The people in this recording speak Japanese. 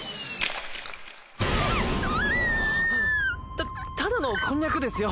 たただのこんにゃくですよ。